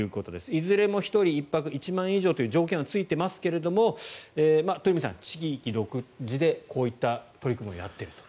いずれも１人１泊１万円以上という条件はついていますが鳥海さん、地域独自でこういった取り組みをやっていると。